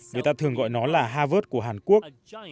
người ta thường gọi nó là harvard của hàn quốc